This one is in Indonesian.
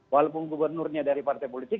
walaupun gubernurnya dari partai politik